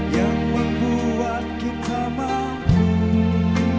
yang membuat kita mampu